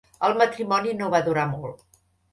El matrimoni no va durar molt.